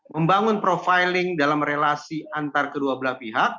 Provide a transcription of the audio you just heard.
membangun profiling dalam relasi antar kedua belah pihak